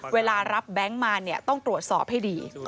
เวลารับแบงค์มาต้องตรวจสอบให้ดี